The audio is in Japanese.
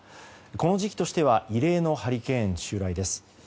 この時期としては異例のハリケーン襲来です。